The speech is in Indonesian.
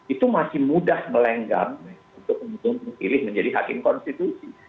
itu masih mudah melenggang untuk memilih menjadi hakim konstitusi